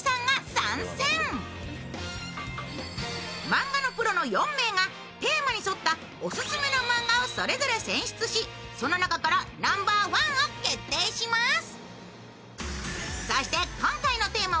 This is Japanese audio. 漫画のプロの４名がテーマに沿ったおすすめの漫画をそれぞれ選出しその中からナンバーワンを決定します。